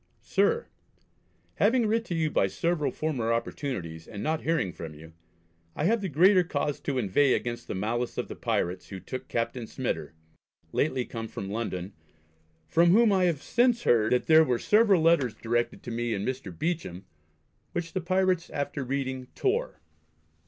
SIR, Having writ to you by several former opportunities, and not hearing from you, I have the greater cause to inveigh against the malice of the pirates who took Captain Smyter, lately come from London, from whom I have since heard that there were several letters directed to me and Mr. Beauchamp, which the pirates after reading tore.